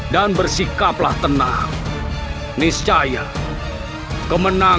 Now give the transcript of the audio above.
dan kami tidak mau berolah